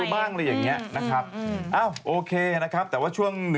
มาทำอะไรบ้างขยับตัวบ้างอะไรอย่างนี้